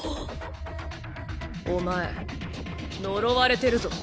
お前呪われてるぞ。